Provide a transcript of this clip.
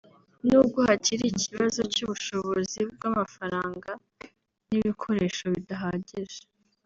nubwo hakiri ikibazo cy’ubushobozi bw’amafaranga n’ibikoresho bidahagije